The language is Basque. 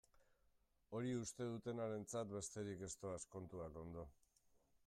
Hori uste dutenarentzat besterik ez doaz kontuak ondo.